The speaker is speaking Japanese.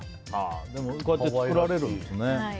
でも、こうやって作られるんですね。